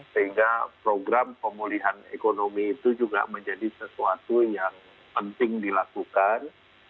sehingga program pemulihan ekonomi itu juga menjadi sesuatu yang penting dilakukan